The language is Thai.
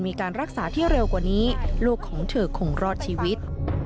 มีการรักษาที่เร็วกว่านี้ลูกของเธอคงรอดชีวิต